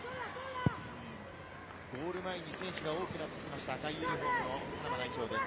ゴール前に選手が多くなってきました、赤ユニホームのパナマ代表です。